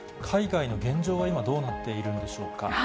海外の現状は今、どうなっているんでしょうか。